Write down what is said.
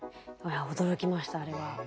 驚きましたあれは。